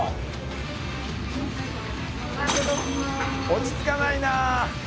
落ち着かないなあ。